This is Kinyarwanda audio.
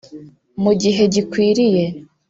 mu gihe gikwiriye